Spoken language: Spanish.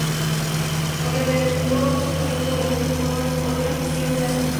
Complementó su pasión por las letras con otra afición: La escultura.